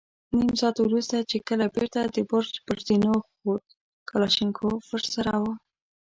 نيم ساعت وروسته چې کله بېرته د برج پر زينو خوت، کلاشينکوف ور سره و.